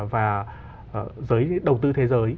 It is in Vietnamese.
và giới đầu tư thế giới